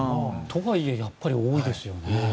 とはいえやっぱり多いですよね。